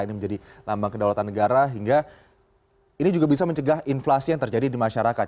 ini menjadi lambang kedaulatan negara hingga ini juga bisa mencegah inflasi yang terjadi di masyarakat